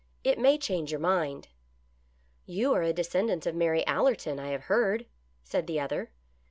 " It may change your mind." " You are a descendant of Mary Allerton, I have heard," said the other.